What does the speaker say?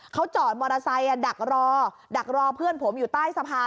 เขาจอดมอเตอร์ไซค์ดักรอดักรอเพื่อนผมอยู่ใต้สะพาน